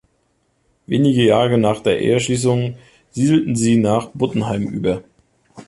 Wenige Jahre nach der Eheschließung siedelten sie nach Buttenheim über.